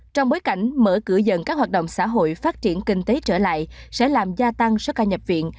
trong bối cảnh mở cửa dần các hoạt động xã hội phát triển kinh tế trở lại sẽ làm gia tăng số ca nhập viện